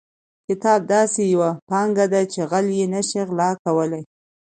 کتاب داسې یوه پانګه ده چې غل یې نشي غلا کولی.